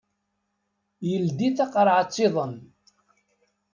Yeldi taqerɛet-iḍen.